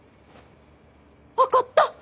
分かった！